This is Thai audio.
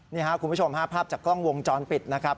นี่ครับคุณผู้ชมฮะภาพจากกล้องวงจรปิดนะครับ